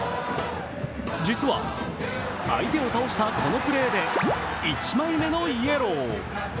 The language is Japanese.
実は、相手を倒したこのプレーで１枚目のイエロー。